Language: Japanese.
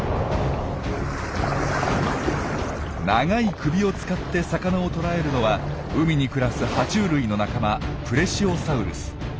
長い首を使って魚を捕らえるのは海に暮らすは虫類の仲間プレシオサウルス。